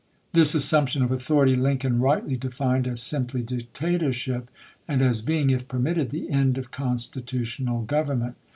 This assump tion of authority Lincoln rightly defined as " simply dictatorship," and as being, if permitted, the end of constitutional government.